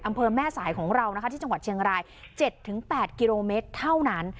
อำเภอแม่สายของเรานะคะที่จังหวัดเชียงราย๗๘กิโลเมตรเท่านั้น